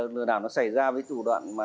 lừa đảo xảy ra với thủ đoạn